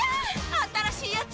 新しいやつ！